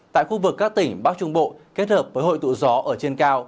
tại khu vực các tỉnh bắc trung bộ kết hợp với hội tụ gió ở trên cao